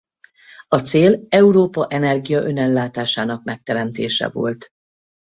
A cél Európa energia-önellátásának megteremtése volt.